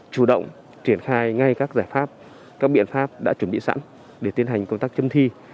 chủ động triển khai ngay các giải pháp các biện pháp đã chuẩn bị sẵn để tiến hành công tác chấm thi